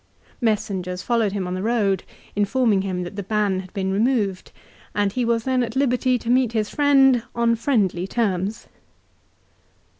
Messengers followed him on the road informing him that the ban had been removed, and he was then at liberty to meet his friend on friendly terms.